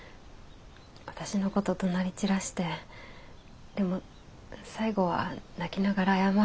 私のことどなりちらしてでも最後は泣きながら謝るんです。